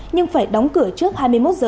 nhưng phải đóng cửa trước hai mươi một h